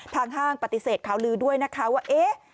ทางห้างปฏิเสธเขาลือด้วยนะคะว่า